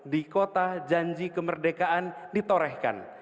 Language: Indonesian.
di kota janji kemerdekaan ditorehkan